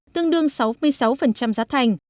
tương đương sáu mươi sáu giá thành